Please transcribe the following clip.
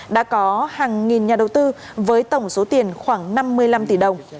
đã có hàng nghìn nhà đầu tư với tổng số tiền khoảng năm mươi năm tỷ đồng